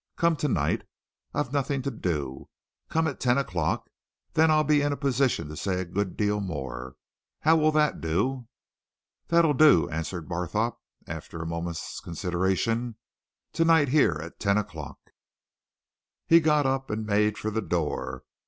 Come tonight. I've nothing to do. Come at ten o'clock. Then I'll be in a position to say a good deal more. How will that do?" "That'll do," answered Barthorpe after a moment's consideration. "Tonight, here, at ten o 'clock." He got up and made for the door.